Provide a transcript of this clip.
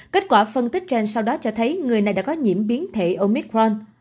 kết quả phân tích trên sau đó cho thấy người này đã có nhiễm biến thể omitron